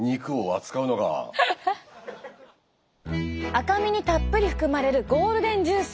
赤身にたっぷり含まれるゴールデンジュース。